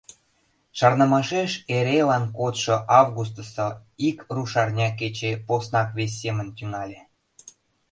Шарнымашеш эрелан кодшо августысо ик рушарня кече поснак вес семын тӱҥале.